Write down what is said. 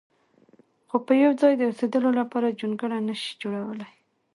خو په یو ځای د اوسېدلو لپاره جونګړه نه شي جوړولی.